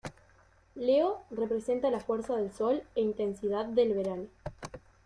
Leo representa la fuerza del Sol e intensidad del verano.